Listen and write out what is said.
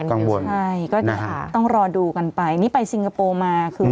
ใช่ครับต้องรอดูกันไปผมไปซิงคโปร์มา